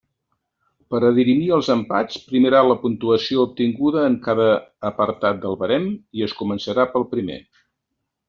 Per a dirimir els empats primarà la puntuació obtinguda en cada apartat del barem, i es començarà pel primer.